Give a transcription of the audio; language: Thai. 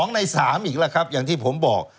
ก็โดนโทษ๒ใน๓อีกแล้วครับอย่างที่ผมบอก